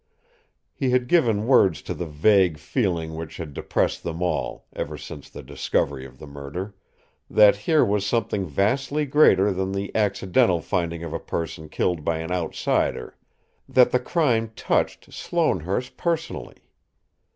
He had given words to the vague feeling which had depressed them all, ever since the discovery of the murder; that here was something vastly greater than the accidental finding of a person killed by an outsider, that the crime touched Sloanehurst personally.